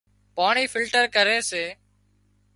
پاڻي فلٽر ڪري سي